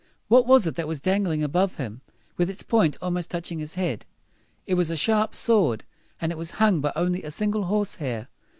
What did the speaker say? What was it that was dangling above him, with its point almost touching his head? It was a sharp sword, and it was hung by only a single horse hair.